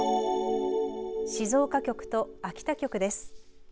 静岡局と秋田局です。